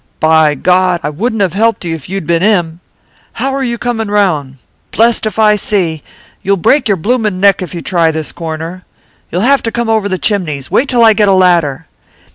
'By God! I wouldn't have helped you if you'd been him. How are you coming round? Blest if I see! You'll break your bloomin' neck if you try this corner. You'll have to come over the chimneys; wait till I get a ladder.